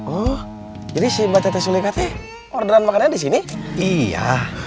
oh ini sih mbak tete sulingatnya orderan makanan di sini iya